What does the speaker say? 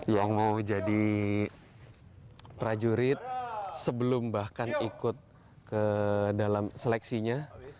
yang mau jadi prajurit sebelum bahkan ikut ke dalam seleksinya